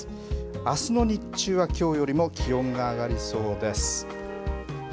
あすの日中はきょうよりも気温が上がりそうです。